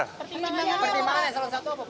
pertimbangannya eselon satu apa pak